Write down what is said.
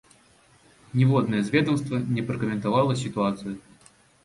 Ніводнае з ведамства не пракаментавала сітуацыю.